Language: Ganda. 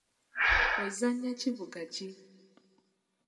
Ozannya kivuga ki?